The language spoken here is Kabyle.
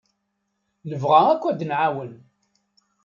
Nebɣa akk ad d-nɛawen.